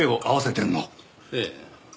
ええ。